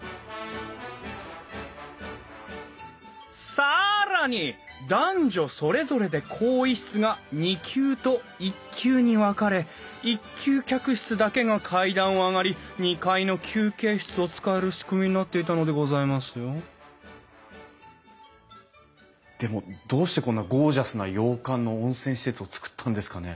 更に男女それぞれで更衣室が２級と１級に分かれ１級客室だけが階段を上がり２階の休憩室を使える仕組みになっていたのでございますよでもどうしてこんなゴージャスな洋館の温泉施設をつくったんですかね？